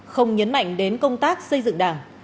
không nhấn mạnh đến công tác xây dựng đảng